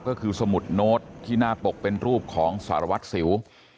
ก็คือสมุดโน้ตที่หน้าปกเป็นรูปของสารวัตรสิว